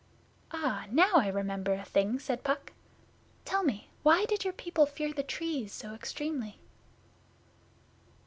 'Ah, now I remember a thing,' said Puck. 'Tell me, why did your people fear the Trees so extremely?